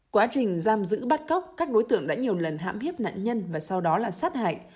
quá trình giam giữ bắt cóc các đối tượng đã nhiều lần hãm hiếp nạn nhân và sau đó là sát hại